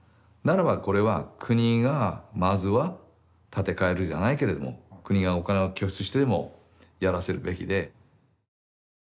ならばこれは国がまずは立て替えるじゃないけれども国がお金を拠出してでもやらせるべきで。